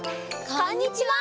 こんにちは！